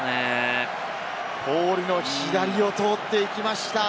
ポールの左を通っていきました。